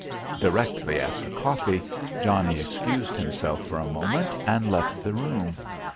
Directly after coffee, Johnnie excused himself for a moment and left the room.